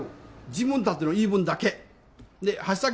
自分たちの言い分だけ。